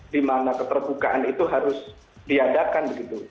di mana keterbukaan itu harus diadakan begitu